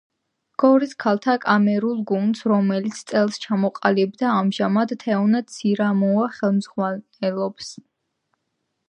გორის ქალთა კამერულ გუნდს, რომელიც წელს ჩამოყალიბდა ამჟამად თეონა ცირამუა ხელმძღვანელობს.